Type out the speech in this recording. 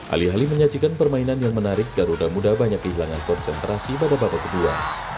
alih alih menyajikan permainan yang menarik garuda muda banyak kehilangan konsentrasi pada babak kedua